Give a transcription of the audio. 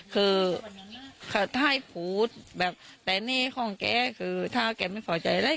คือค่ะถ้าให้ฟูชแบบในของแกคือถ้าแกไม่พอใจอะไร